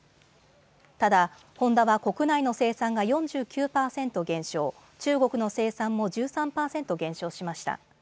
ただ、ホンダは国内の生産が４９％減少、中国の生産も１３％減少しました。